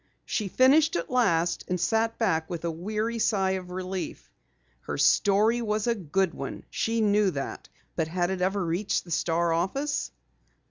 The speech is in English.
She finished at last, and sat back with a weary sigh of relief. Her story was a good one. She knew that. But had it ever reached the Star office?